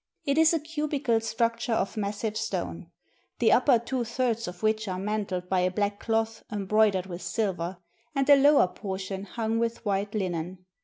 It is a cubical structure of massive stone, the upper two thirds of which are mantled by a black cloth embroidered with silver, and the lower portion hung with white linen.